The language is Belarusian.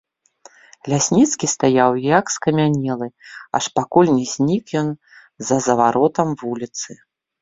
Лясніцкі стаяў, як скамянелы, аж пакуль не знік ён за заваротам вуліцы.